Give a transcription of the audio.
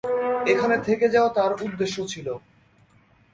এখানে থেকে যাওয়া তার উদ্দেশ্য ছিল।